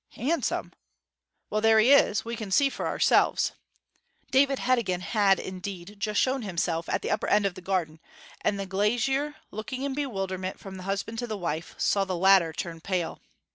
'Handsome? Well, there he is we can see for ourselves.' David Heddegan had, indeed, just shown himself at the upper end of the garden; and the glazier, looking in bewilderment from the husband to the wife, saw the latter turn pale.